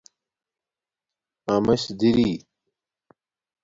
امس دری